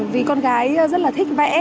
vì con gái rất là thích vẽ